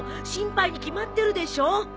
心配に決まってるでしょ！